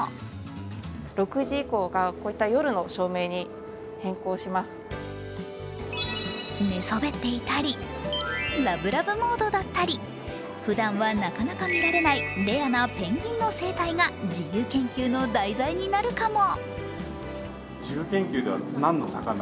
他にも寝そべっていたりラブラブモードだったり、ふだんはなかなか見られないレアなペンギンの生態が自由研究の題材になるかも。